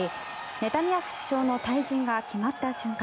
ネタニヤフ首相の退陣が決まった瞬間